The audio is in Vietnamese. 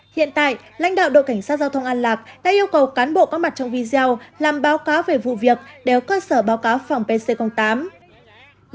hiện tại lãnh đạo đội cảnh sát giao thông an lạc đã yêu cầu cán bộ có mặt trong video làm báo cáo về vụ việc đeo cơ sở báo cáo phòng pc tám